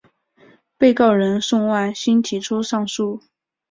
被告人宋万新提出上诉。